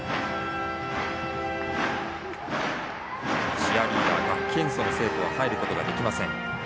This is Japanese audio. チアリーダー、楽器演奏の生徒は入ることができません。